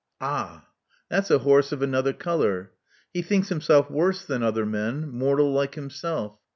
Ah! that's a horse of another color. He thinks himself worse than other men, mortal like himself.